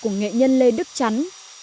nghệ nhân lê đức chắn